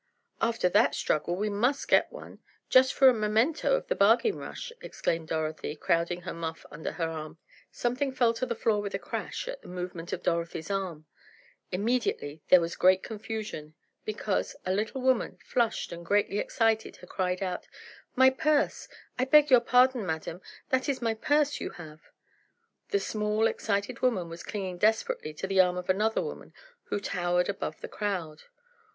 "After that struggle, we must get one, just for a memento of the bargain rush," exclaimed Dorothy, crowding her muff under her arm. Something fell to the floor with a crash at the movement of Dorothy's arm. Immediately there was great confusion, because, a little woman, flushed and greatly excited had cried out, "My purse! I beg your pardon madam, that is my purse you have!" The small, excited woman was clinging desperately to the arm of another woman, who towered above the crowd.